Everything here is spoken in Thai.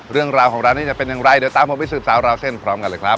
เรื่องราวของร้านนี้จะเป็นอย่างไรเดี๋ยวตามผมไปสืบสาวราวเส้นพร้อมกันเลยครับ